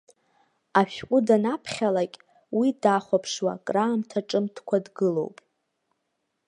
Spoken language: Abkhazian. Ашәҟәы данаԥхьалак, уи дахәаԥшуа, краамҭа ҿымҭкәа дгылоуп.